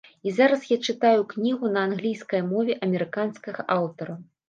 І зараз я чытаю кнігу на англійскай мове амерыканскага аўтара.